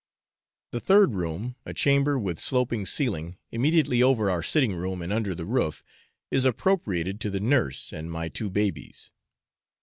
The third room, a chamber with sloping ceiling, immediately over our sitting room and under the roof, is appropriated to the nurse and my two babies.